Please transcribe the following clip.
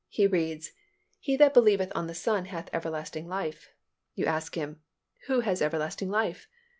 He reads, "He that believeth on the Son hath everlasting life." You ask him, "Who has everlasting life?"